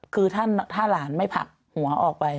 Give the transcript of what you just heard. คือถ้าหลานไม่ผลักหัวออกไป